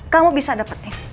kamu bisa dapetin